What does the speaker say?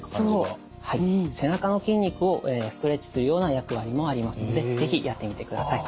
背中の筋肉をストレッチするような役割もありますので是非やってみてください。